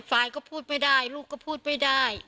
ฝ่ายก็พูดไม่ได้ลูกก็พูดไม่ได้